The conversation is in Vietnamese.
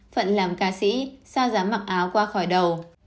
phận làm ca sĩ sao dán mặc áo qua khỏi đầu